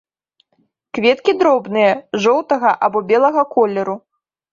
Кветкі дробныя, жоўтага або белага колеру.